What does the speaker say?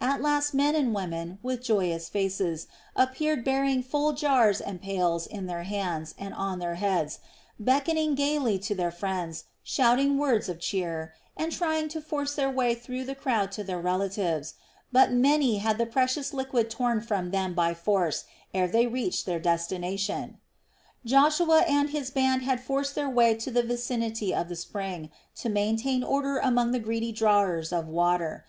At last men and women, with joyous faces, appeared bearing full jars and pails in their hands and on their heads, beckoning gaily to their friends, shouting words of cheer, and trying to force their way through the crowd to their relatives; but many had the precious liquid torn from them by force ere they reached their destination. Joshua and his band had forced their way to the vicinity of the spring, to maintain order among the greedy drawers of water.